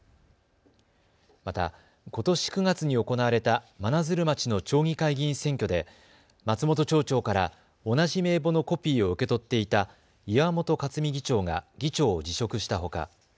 また、ことし９月に行われた真鶴町の町議会議員選挙で松本町長から同じ名簿のコピーを受け取っていた岩本克美議長が議長を辞職したほか。